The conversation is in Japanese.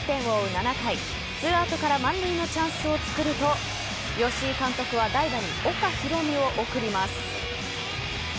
７回２アウトから満塁のチャンスをつくると吉井監督は代打に岡大海を送ります。